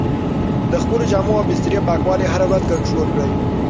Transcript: د خپلو جامو او بسترې پاکوالی هره ورځ کنټرول کړئ.